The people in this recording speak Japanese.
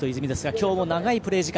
今日も長いプレー時間。